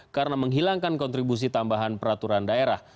karena menghilangkan kontribusi tambahan peraturan daerah